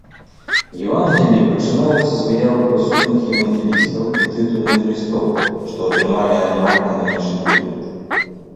Евангеллі пачынаюцца з выявы прысутных евангелістаў і тытульных лістоў, што атрымалі амаль кананічны выгляд.